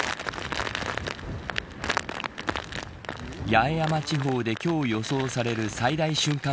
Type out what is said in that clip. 八重山地方で今日、予想される最大瞬間